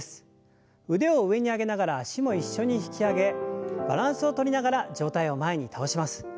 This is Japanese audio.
腕を上に上げながら脚も一緒に引き上げバランスをとりながら上体を前に倒します。